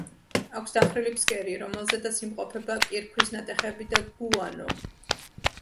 აქვს დახრილი ფსკერი, რომელზედაც იმყოფება კირქვის ნატეხები და გუანო.